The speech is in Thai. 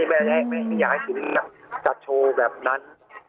ไม่อยากให้ถึงจัดโชว์แบบนั้น